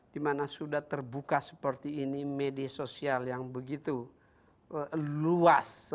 dimana sudah terbuka seperti ini media sosial yang begitu luas